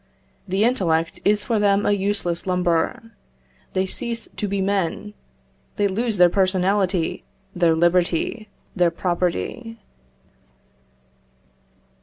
The intellect is for them a useless lumber; they cease to be men; they lose their personality, their liberty, their property.